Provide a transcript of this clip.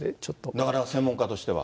なかなか専門家としては？